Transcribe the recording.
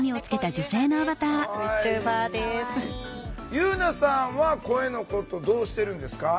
夕菜さんは声のことどうしてるんですか？